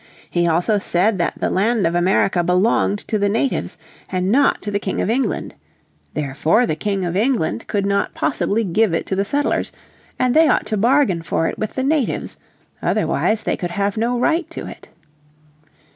He also said that the land of America belonged to the natives, and not to the King of England. Therefore the King of England could not possibly give it to the settlers, and they ought to bargain for it with the natives. Otherwise they could have no right to it.